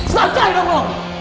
sampai dong lo